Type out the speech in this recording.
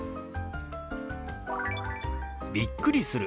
「びっくりする」。